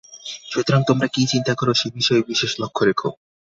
সুতরাং তোমরা কি চিন্তা কর, সে বিষয়ে বিশেষ লক্ষ্য রেখো।